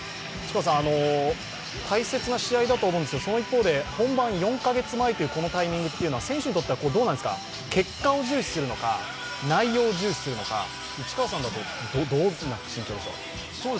大切な試合だと思うんですけど、その一方で本番４か月前というのは選手にとってはどうなんですか結果を重視するのか内容を重視するのか、内川さんだとどういうふうな心境でしょう？